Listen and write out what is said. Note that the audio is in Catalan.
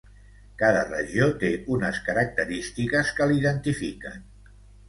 Cada regió té unes característiques que l'identifiquen.